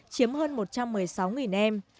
chiếm hơn một trăm một mươi sáu em